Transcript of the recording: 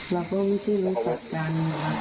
เราก็ไม่ใช่รู้จักกัน